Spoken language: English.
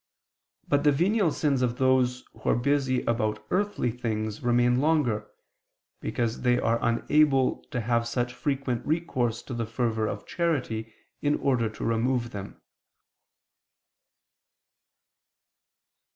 But the venial sins of those who are busy about earthly things remain longer, because they are unable to have such frequent recourse to the fervor of charity in order to remove them.